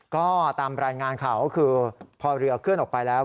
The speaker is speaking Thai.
ก็ตามรายงานข่าวก็คือพอเรือเคลื่อนออกไปแล้ว